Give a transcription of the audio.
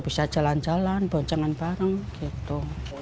bisa jalan jalan boncengan bareng gitu